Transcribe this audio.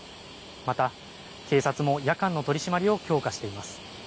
また警察も夜間の取締りを強化しています。